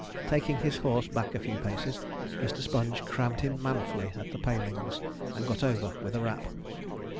Taking his horse back a few paces, Mr. Sponge crammed him manfully at the palings, and got over with a rap.